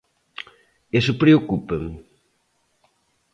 Iso preocúpame.